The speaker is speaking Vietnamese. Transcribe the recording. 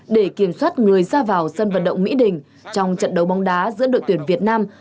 để kiểm soát người ra vào sân vận động mỹ đình trong trận đấu bóng đá giữa đội tuyển việt nam